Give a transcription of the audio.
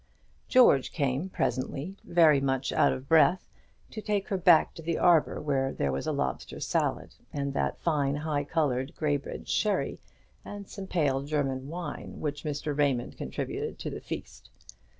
George came presently, very much out of breath, to take her back to the arbour where there was a lobster salad, and that fine high coloured Graybridge sherry, and some pale German wine which Mr. Raymond contributed to the feast.